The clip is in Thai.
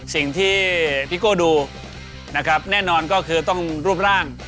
สิ่งที่พี่โก้ดูนะครับแน่นอนก็คือต้องรูปร่าง